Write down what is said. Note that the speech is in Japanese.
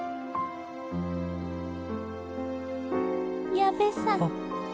矢部さん。